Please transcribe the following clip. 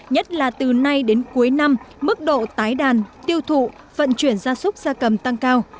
nhất là từ nay đến cuối năm mức độ tái đàn tiêu thụ vận chuyển gia súc gia cầm tăng cao